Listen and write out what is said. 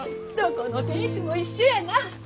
どこの亭主も一緒やな。